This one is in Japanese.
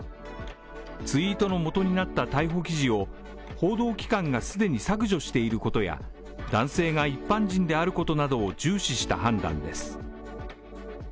ツイートの元になった逮捕記事を報道機関が既に削除していることや男性が一般人であることなどを重視した判断です。